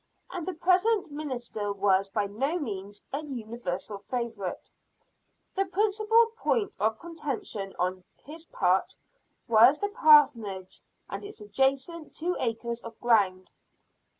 And the present minister was by no means a universal favorite. The principal point of contention on his part was the parsonage and its adjacent two acres of ground.